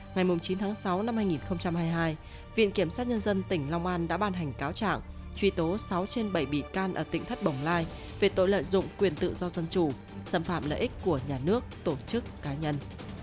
ngày chín tháng sáu năm hai nghìn hai mươi hai viện kiểm sát nhân dân tỉnh long an đã ban hành cáo trạng truy tố sáu trên bảy bị can ở tỉnh thất bồng lai về tội lợi dụng quyền tự do dân chủ xâm phạm lợi ích của nhà nước tổ chức cá nhân